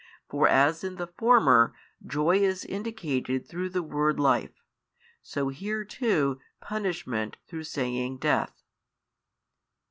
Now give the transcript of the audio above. For as in the former joy is indicated through the word life, so here too punishment through saying death.